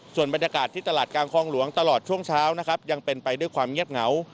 ส่วนบรรยากาศที่ตลาดกลางคลองหลวงตลอดช่วงเช้านะครับยังเป็นไปด้วยความเงียบเหงา